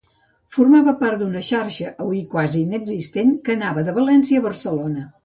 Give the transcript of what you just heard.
Formava part d'una xarxa, avui quasi inexistent, que anava de València a Barcelona.